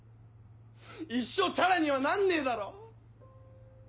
一生チャラにはなんねえだろ！